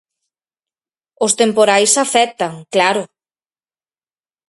Os temporais afectan, claro.